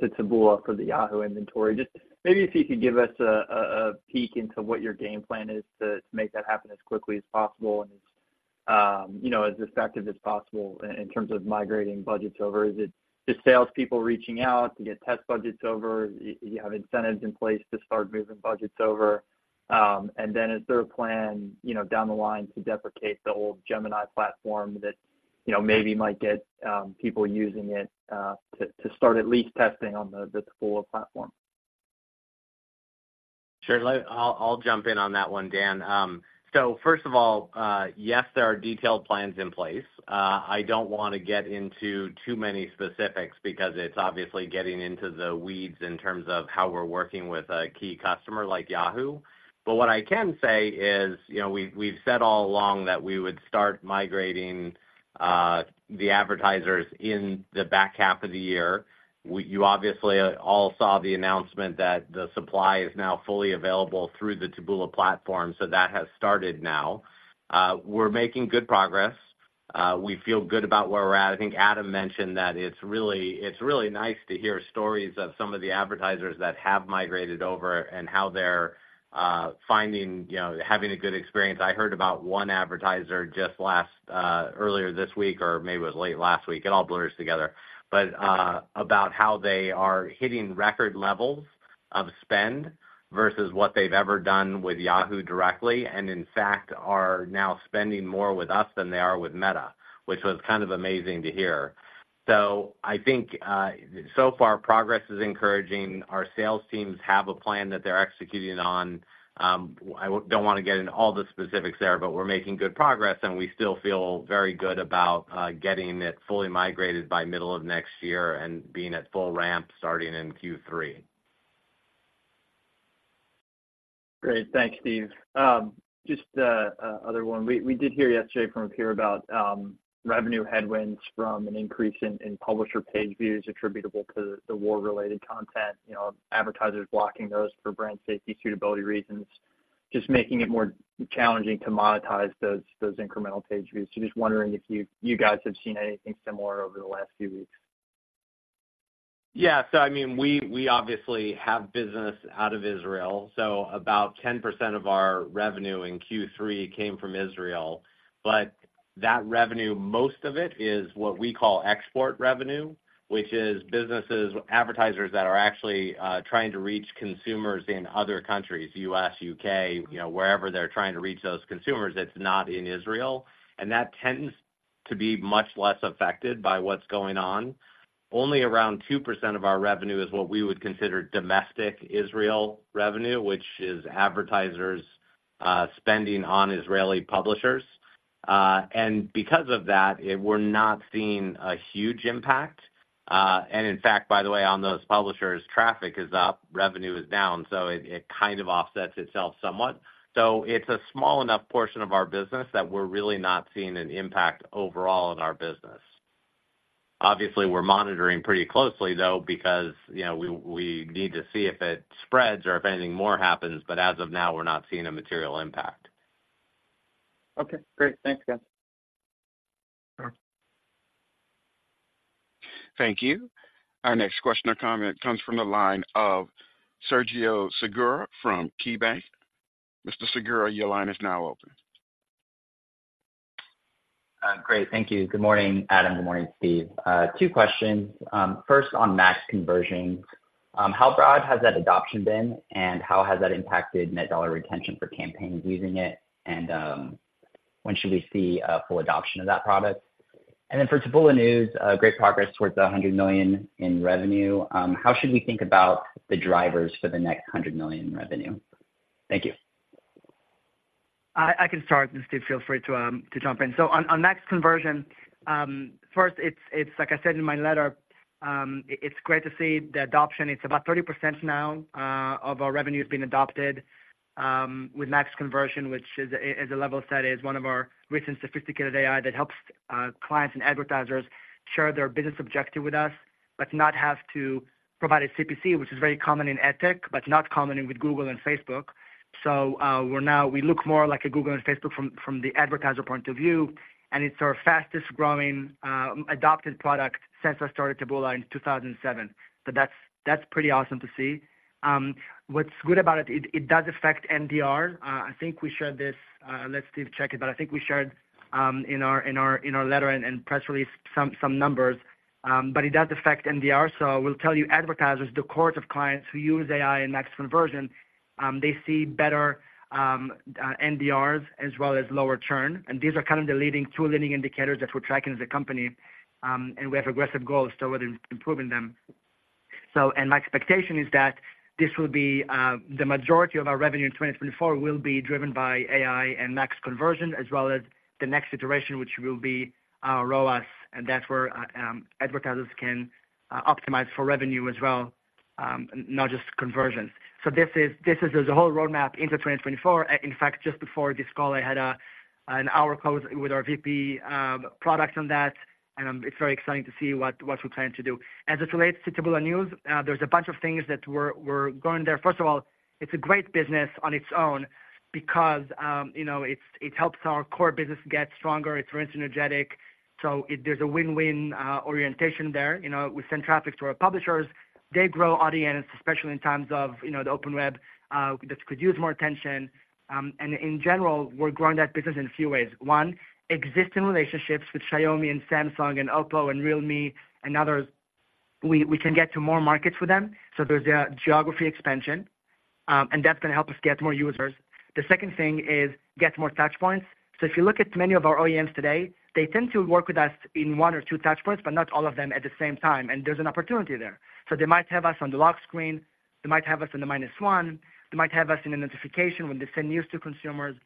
to, over the, to Taboola for the Yahoo inventory. Just maybe if you could give us a peek into what your game plan is to make that happen as quickly as possible and, you know, as effective as possible in terms of migrating budgets over. Is it just salespeople reaching out to get test budgets over? You have incentives in place to start moving budgets over. And then is there a plan, you know, down the line to deprecate the old Gemini platform that, you know, maybe might get, people using it, to start at least testing on the Taboola platform? Sure. I'll jump in on that one, Dan. So first of all, yes, there are detailed plans in place. I don't wanna get into too many specifics because it's obviously getting into the weeds in terms of how we're working with a key customer like Yahoo. But what I can say is, you know, we've said all along that we would start migrating the advertisers in the back half of the year. You obviously all saw the announcement that the supply is now fully available through the Taboola platform, so that has started now. We're making good progress. We feel good about where we're at. I think Adam mentioned that it's really nice to hear stories of some of the advertisers that have migrated over and how they're finding, you know, having a good experience. I heard about one advertiser just last, earlier this week, or maybe it was late last week, it all blurs together, but, about how they are hitting record levels of spend versus what they've ever done with Yahoo directly, and in fact, are now spending more with us than they are with Meta, which was kind of amazing to hear. So I think, so far, progress is encouraging. Our sales teams have a plan that they're executing on. I don't wanna get into all the specifics there, but we're making good progress, and we still feel very good about, getting it fully migrated by middle of next year and being at full ramp starting in Q3. Great. Thanks, Steve. Just, another one. We did hear yesterday from peers about revenue headwinds from an increase in publisher page views attributable to the war-related content, you know, advertisers blocking those for brand safety, suitability reasons, just making it more challenging to monetize those incremental page views. So just wondering if you guys have seen anything similar over the last few weeks? Yeah. So I mean, we obviously have business out of Israel, so about 10% of our revenue in Q3 came from Israel. But that revenue, most of it is what we call export revenue, which is businesses, advertisers that are actually trying to reach consumers in other countries, U.S., U.K., you know, wherever they're trying to reach those consumers, it's not in Israel, and that tends to be much less affected by what's going on. Only around 2% of our revenue is what we would consider domestic Israel revenue, which is advertisers spending on Israeli publishers. And because of that, we're not seeing a huge impact. And in fact, by the way, on those publishers, traffic is up, revenue is down, so it kind of offsets itself somewhat. It's a small enough portion of our business that we're really not seeing an impact overall in our business. Obviously, we're monitoring pretty closely, though, because, you know, we need to see if it spreads or if anything more happens, but as of now, we're not seeing a material impact. Okay, great. Thanks, guys. Thank you. Our next question or comment comes from the line of Sergio Segura from KeyBanc. Mr. Segura, your line is now open. Great. Thank you. Good morning, Adam. Good morning, Steve. Two questions. First on Max Conversions, how broad has that adoption been, and how has that impacted net dollar retention for campaigns using it? And, when should we see a full adoption of that product? And then for Taboola News, great progress towards the $100 million in revenue. How should we think about the drivers for the next $100 million in revenue? Thank you. I can start and Steve feel free to jump in. So on Max Conversions, first, it's like I said in my letter, it's great to see the adoption. It's about 30% now of our revenue has been adopted with Max Conversions, which is a level set, is one of our rich and sophisticated AI that helps clients and advertisers share their business objective with us, but not have to provide a CPC, which is very common in ad tech, but not common in with Google and Facebook. So, we're now we look more like a Google and Facebook from the advertiser point of view, and it's our fastest growing adopted product since I started Taboola in 2007. So that's pretty awesome to see. What's good about it, it does affect NDR. I think we shared this, let Steve check it, but I think we shared in our letter and press release some numbers. But it does affect NDR. So we'll tell you, advertisers, the cohort of clients who use AI and Max Conversions, they see better NDRs as well as lower churn. And these are kind of the two leading indicators that we're tracking as a company, and we have aggressive goals toward improving them. And my expectation is that this will be the majority of our revenue in 2024 will be driven by AI and Max Conversions, as well as the next iteration, which will be ROAS, and that's where advertisers can optimize for revenue as well, not just conversions. This is the whole roadmap into 2024. In fact, just before this call, I had an hour call with our VP, products on that, and it's very exciting to see what we plan to do. As it relates to Taboola News, there's a bunch of things that we're going there. First of all, it's a great business on its own because you know, it helps our core business get stronger. It's very synergetic, so it there's a win-win orientation there. You know, we send traffic to our publishers. They grow audience, especially in times of, you know, the open web that could use more attention. And in general, we're growing that business in a few ways. One, existing relationships with Xiaomi and Samsung and Oppo and Realme and others, we can get to more markets with them, so there's a geography expansion, and that's going to help us get more users. The second thing is get more touch points. So if you look at many of our OEMs today, they tend to work with us in one or two touch points, but not all of them at the same time, and there's an opportunity there. So they might have us on the lock screen, they might have us in the Minus One, they might have us in a notification when they send news to consumers,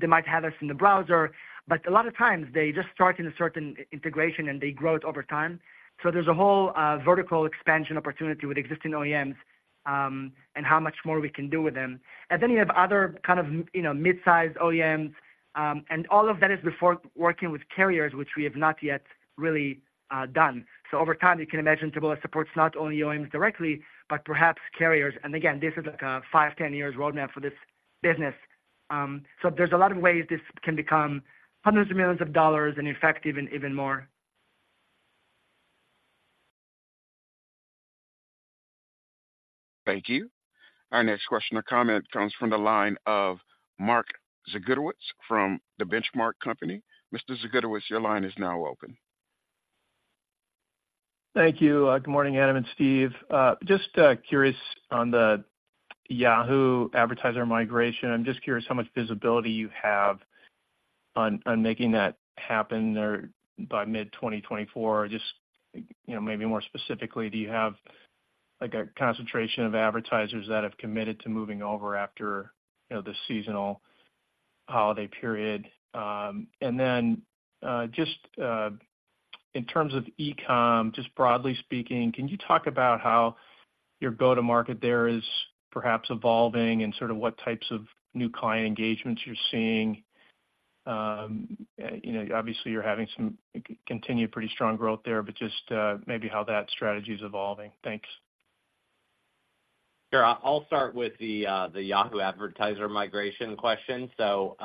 they might have us in the browser. But a lot of times they just start in a certain integration, and they grow it over time. So there's a whole, vertical expansion opportunity with existing OEMs, and how much more we can do with them. And then you have other kind of, you know, mid-sized OEMs, and all of that is before working with carriers, which we have not yet really, done. So over time, you can imagine Taboola supports not only OEMs directly, but perhaps carriers. And again, this is like a five to 10 years roadmap for this business. So there's a lot of ways this can become hundreds of millions of dollars and in fact, even, even more. Thank you. Our next question or comment comes from the line of Mark Zgutowicz from The Benchmark Company. Mr. Zegartowicz, your line is now open. Thank you. Good morning, Adam and Steve. Just curious on the Yahoo advertiser migration. I'm just curious how much visibility you have on making that happen there by mid-2024. Just, you know, maybe more specifically, do you have, like, a concentration of advertisers that have committed to moving over after, you know, the seasonal holiday period? And then, just in terms of e-com, just broadly speaking, can you talk about how your go-to-market there is perhaps evolving and sort of what types of new client engagements you're seeing? You know, obviously, you're having some continued pretty strong growth there, but just maybe how that strategy is evolving. Thanks. Sure. I'll start with the Yahoo advertiser migration question. So,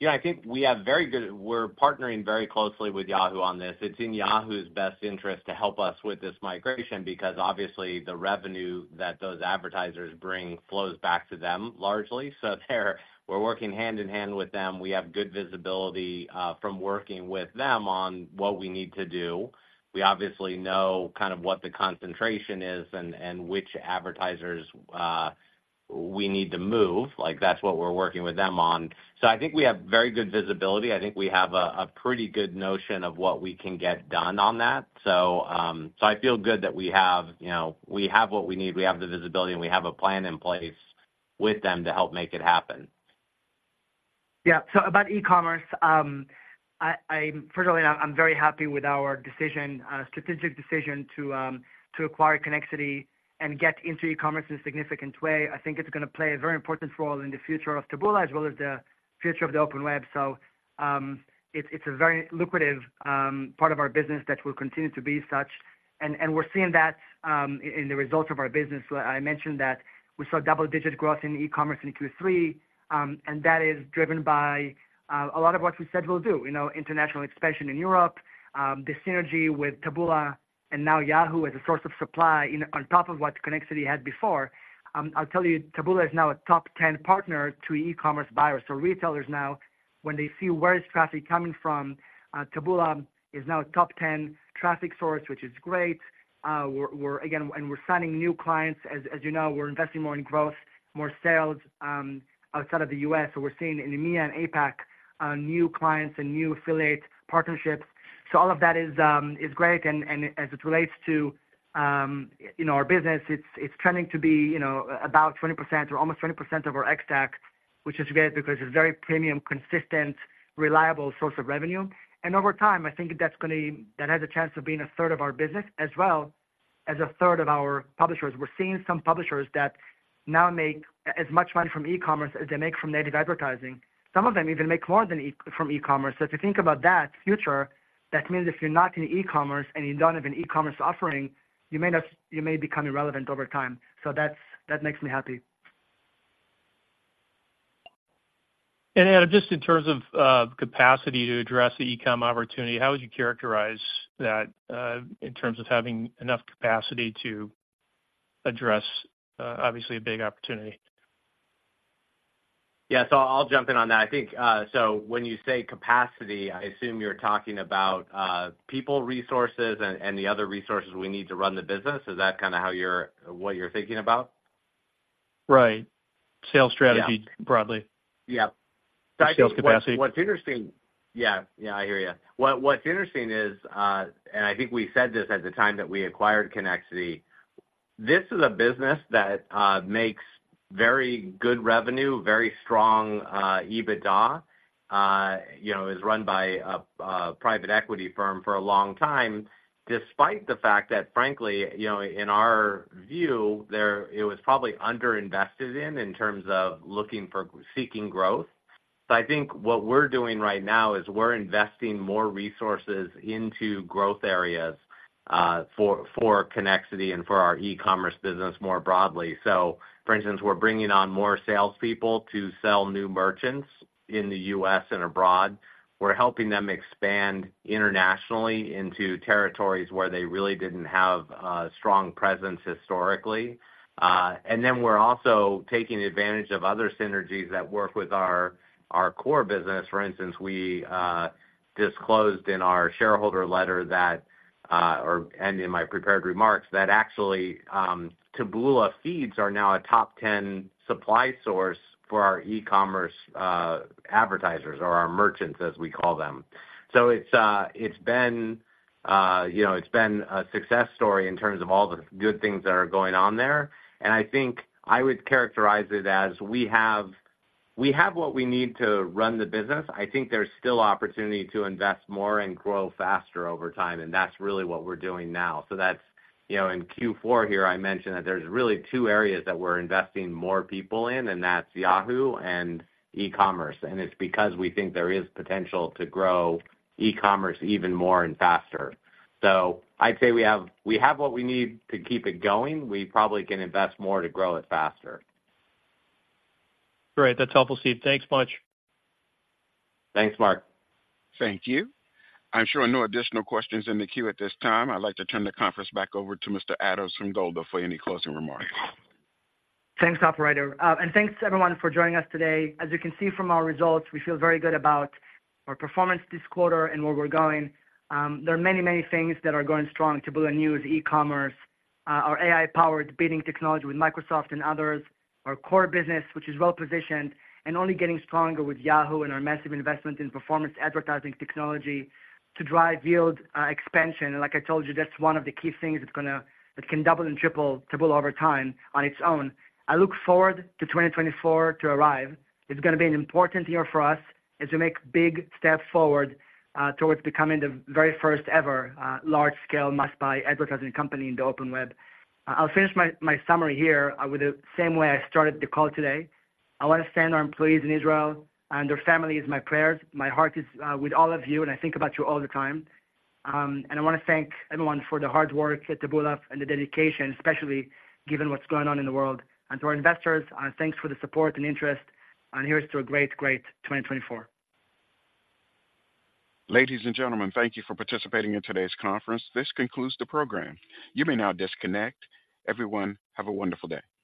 yeah, I think we have very good. We're partnering very closely with Yahoo on this. It's in Yahoo's best interest to help us with this migration, because obviously the revenue that those advertisers bring flows back to them largely. So we're working hand in hand with them. We have good visibility from working with them on what we need to do. We obviously know kind of what the concentration is and which advertisers we need to move. Like, that's what we're working with them on. So I think we have very good visibility. I think we have a pretty good notion of what we can get done on that. So, I feel good that we have, you know, we have what we need, we have the visibility, and we have a plan in place with them to help make it happen. Yeah. So about e-commerce, first of all, I'm very happy with our decision, strategic decision to acquire Connexity and get into e-commerce in a significant way. I think it's gonna play a very important role in the future of Taboola, as well as the future of the open web. So, it's a very lucrative part of our business that will continue to be as such. And we're seeing that in the results of our business. I mentioned that we saw double-digit growth in e-commerce in Q3, and that is driven by a lot of what we said we'll do. You know, international expansion in Europe, the synergy with Taboola and now Yahoo as a source of supply in... on top of what Connexity had before. I'll tell you, Taboola is now a top 10 partner to e-commerce buyers. So retailers now, when they see where is traffic coming from, Taboola is now a top 10 traffic source, which is great. We're again and we're signing new clients. As you know, we're investing more in growth, more sales, outside of the U.S. So we're seeing in EMEA and APAC new clients and new affiliate partnerships. So all of that is great. As it relates to, you know, our business, it's trending to be, you know, about 20% or almost 20% of our Ex-TAC, which is great because it's very premium, consistent, reliable source of revenue. Over time, I think that's that has a chance of being a third of our business, as well as a third of our publishers. We're seeing some publishers that now make as much money from e-commerce as they make from native advertising. Some of them even make more than from e-commerce. So if you think about that future, that means if you're not in e-commerce and you don't have an e-commerce offering, you may become irrelevant over time. So that's that makes me happy. Adam, just in terms of capacity to address the e-com opportunity, how would you characterize that in terms of having enough capacity to address obviously a big opportunity? Yeah, so I'll jump in on that. I think, so when you say capacity, I assume you're talking about, people resources and the other resources we need to run the business. Is that kind of how you're, what you're thinking about? Right. Sales strategy- Yeah. -broadly. Yeah. Sales capacity. What's interesting... Yeah. Yeah, I hear you. What's interesting is, and I think we said this at the time that we acquired Connexity, this is a business that makes very good revenue, very strong EBITDA. You know, is run by a private equity firm for a long time, despite the fact that, frankly, you know, in our view, it was probably underinvested in, in terms of looking for, seeking growth. So I think what we're doing right now is we're investing more resources into growth areas, for Connexity and for our e-commerce business more broadly. So for instance, we're bringing on more salespeople to sell new merchants in the U.S. and abroad. We're helping them expand internationally into territories where they really didn't have a strong presence historically. And then we're also taking advantage of other synergies that work with our, our core business. For instance, we disclosed in our shareholder letter that, or and in my prepared remarks, that actually, Taboola Feeds are now a top 10 supply source for our e-commerce, advertisers or our merchants, as we call them. So it's, it's been, you know, it's been a success story in terms of all the good things that are going on there. And I think I would characterize it as we have, we have what we need to run the business. I think there's still opportunity to invest more and grow faster over time, and that's really what we're doing now. So that's, you know, in Q4 here, I mentioned that there's really two areas that we're investing more people in, and that's Yahoo and e-commerce, and it's because we think there is potential to grow e-commerce even more and faster. So I'd say we have, we have what we need to keep it going. We probably can invest more to grow it faster. Great. That's helpful, Steve. Thanks much. Thanks, Mark. Thank you. I'm showing no additional questions in the queue at this time. I'd like to turn the conference back over to Mr. Singolda from Taboola for any closing remarks. Thanks, operator. And thanks, everyone, for joining us today. As you can see from our results, we feel very good about our performance this quarter and where we're going. There are many, many things that are going strong. Taboola News, e-commerce, our AI-powered bidding technology with Microsoft and others, our core business, which is well positioned and only getting stronger with Yahoo and our massive investment in performance advertising technology to drive yield expansion. And like I told you, that's one of the key things that's gonna, that can double and triple Taboola over time on its own. I look forward to 2024 to arrive. It's gonna be an important year for us as we make big steps forward towards becoming the very first-ever large-scale must-buy advertising company in the open web. I'll finish my summary here with the same way I started the call today. I wanna thank our employees in Israel and their families, my prayers, my heart is with all of you, and I think about you all the time. And I wanna thank everyone for the hard work at Taboola and the dedication, especially given what's going on in the world. And to our investors, thanks for the support and interest, and here's to a great, great 2024. Ladies and gentlemen, thank you for participating in today's conference. This concludes the program. You may now disconnect. Everyone, have a wonderful day.